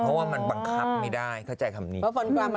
เพราะว่ามันบังคับไม่ได้เข้าใจคำนี้